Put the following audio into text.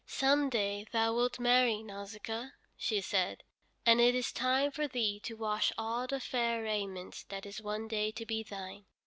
"Some day thou wilt marry, Nausicaa," she said, "and it is time for thee to wash all the fair raiment that is one day to be thine.